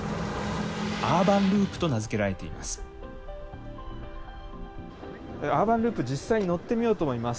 アーバンループと名付けられています。